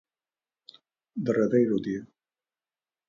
Derradeiro día.